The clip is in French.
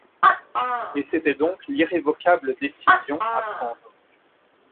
Et c'était donc l'irrévocable décision à prendre.